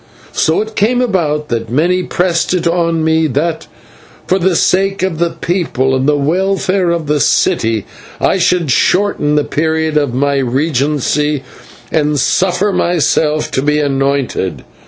So it came about that many pressed it on me that for the sake of the people and the welfare of the city, I should shorten the period of my regency and suffer myself to be anointed.